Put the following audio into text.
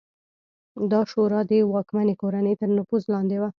دا شورا د واکمنې کورنۍ تر نفوذ لاندې وه